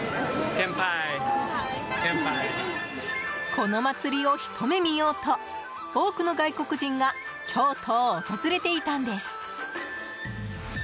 この祭りをひと目見ようと多くの外国人が京都を訪れていたんです。